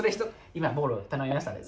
今ボーロ頼みましたんで。